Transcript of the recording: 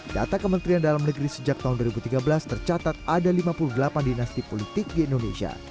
data kementerian dalam negeri sejak tahun dua ribu tiga belas tercatat ada lima puluh delapan dinasti politik di indonesia